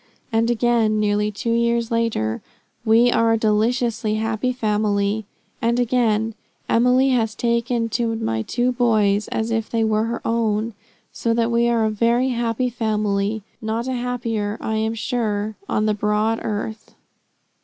And again, nearly two years later: "We are a deliciously happy family;" and again, "Emily has taken to my two boys as if they were her own; so that we are a very happy family; not a happier, I am sure, on the broad earth."